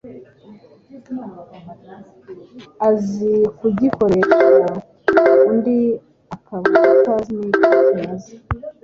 azi kugikoresha undi akaba atazi n’icyo kimaze